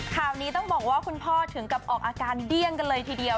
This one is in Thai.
ข่าวนี้ต้องบอกว่าคุณพ่อถึงกับออกอาการเดี้ยงกันเลยทีเดียว